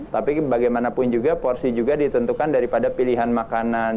tapi bagaimanapun juga porsi juga ditentukan daripada pilihan makanan